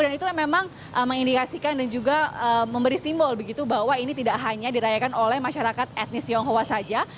dan itu memang mengindikasikan dan juga memberi simbol begitu bahwa ini tidak hanya dirayakan oleh masyarakat etnis tionghoa saja